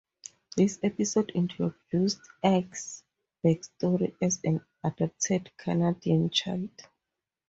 This episode introduced Ike's backstory as an adopted Canadian child.